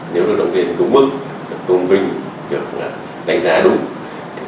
nếu được động tiền đúng mức được tôn vinh được đánh giá đúng